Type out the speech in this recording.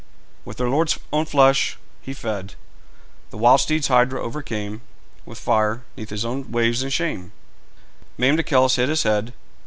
With their fierce lord's own flesh he fed The wild steeds; Hydra overcame With fire. 'Neath his own waves in shame Maimed Achelous hid his head.